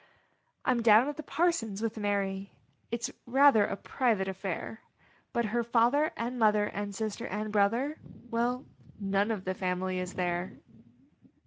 I m down at the parson s with Mary ; It s rather a private aifair ; But her father and mother And sister and brother Well none of the familv is there.